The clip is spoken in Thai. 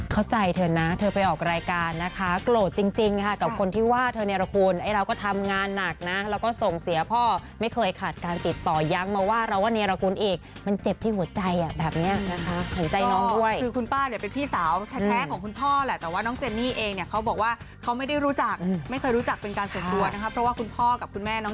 เข้าใจเธอนะเธอไปออกรายการนะคะโกรธจริงค่ะกับคนที่ว่าเธอเนียรกูลไอ้เราก็ทำงานหนักนะแล้วก็ส่งเสียพ่อไม่เคยขาดการติดต่อยังมาว่าเราว่าเนียรกูลอีกมันเจ็บที่หัวใจอ่ะแบบเนี่ยขอบใจน้องด้วยคือคุณป้าเนี่ยเป็นพี่สาวแท้ของคุณพ่อแหละแต่ว่าน้องเจนนี่เองเนี่ยเขาบอกว่าเขาไม่ได้รู้จั